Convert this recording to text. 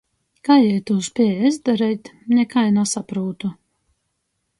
Kai jei tū spēja izdareit, nikai nasaprūtu.